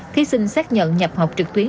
thí sinh xác nhận nhập học trực tuyến